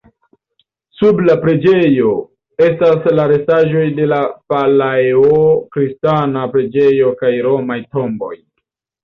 Sub la preĝejo estas la restaĵoj de la Palaeo-kristana preĝejo kaj romaj tomboj.